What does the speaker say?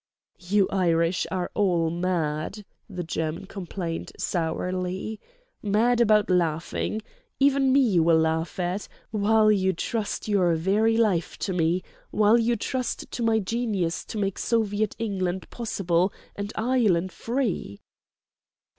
"You Irish are all mad," the German complained, sourly—"mad about laughing. Even me you will laugh at, while you trust your very life to me, while you trust to my genius to make Soviet England possible and Ireland free."